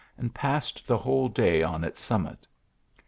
and passed the whole day on its summit.